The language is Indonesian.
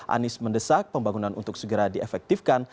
anies mendesak pembangunan untuk segera diefektifkan